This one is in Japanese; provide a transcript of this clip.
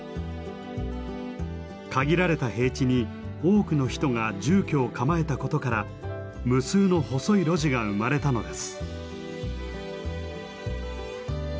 限られた平地に多くの人が住居を構えたことから無数の細い路地が生まれたのです。